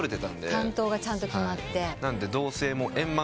担当がちゃんと決まって。